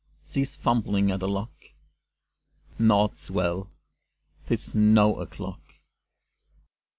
Cease fumbling at the lock! Naught's well! 'Tis no o'clock!